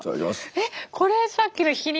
えっこれさっきのひき肉だし？